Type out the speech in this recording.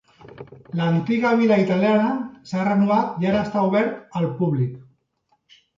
L'antiga vila italiana s'ha renovat i ara està obert al públic.